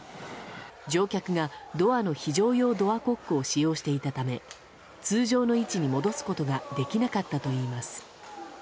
乗客がドアの非常用コックを使用していたため通常の位置に戻すことができなかったといいます。